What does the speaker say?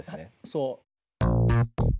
そう。